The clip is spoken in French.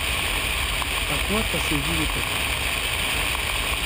À quoi passez-vous votre temps ?